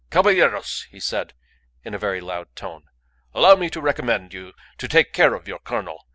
"Caballeros," he said, in a very loud tone, "allow me to recommend you to take great care of your colonel.